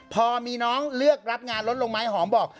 พอมีน้องเลือกรับงานลดลงไหมหอมบอก